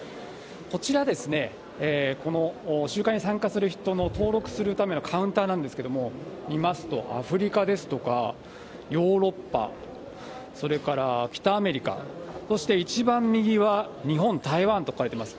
こちら、この集会に参加する人の登録するためのカウンターなんですけれども、見ますと、アフリカですとかヨーロッパ、それから北アメリカ、そして一番右は日本、台湾と書いてあります。